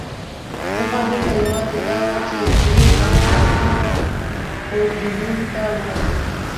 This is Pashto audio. زما دنده یوازې دا وه، چې درې امبولانسونه پورډینون ته ورسوم.